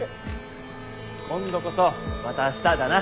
今度こそまた明日だな。